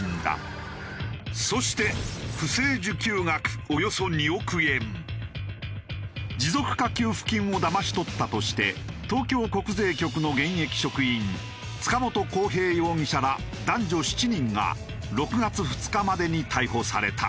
そして持続化給付金をだまし取ったとして東京国税局の現役職員塚本晃平容疑者ら男女７人が６月２日までに逮捕された。